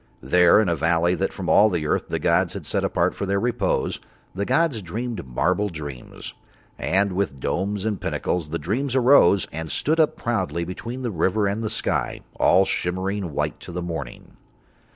There in a valley that from all the earth the gods had set apart for Their repose the gods dreamed marble dreams. And with domes and pinnacles the dreams arose and stood up proudly between the river and the sky, all shimmering white to the morning.